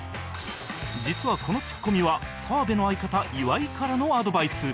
実はこのツッコミは澤部の相方岩井からのアドバイス